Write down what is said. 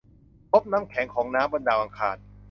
พบน้ำแข็งของน้ำบนดาวอังคาร